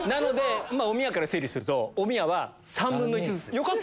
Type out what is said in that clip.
おみやから整理するとおみやは３分の１ずつです。